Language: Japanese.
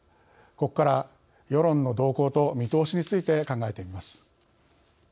ここから世論の動向と見通しについて考えてみます。